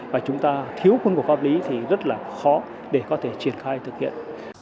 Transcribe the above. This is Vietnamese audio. và chúng ta thiếu khuôn của pháp lý thì rất là khó để có thể triển khai thực hiện